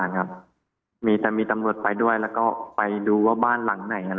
ให้ผมพา